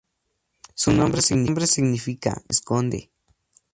Su nombre significa ""el que se esconde"".